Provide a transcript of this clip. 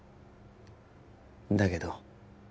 だけど